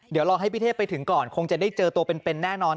เดี๋ยวรอให้พี่เทพไปถึงก่อนคงจะได้เจอตัวเป็นแน่นอน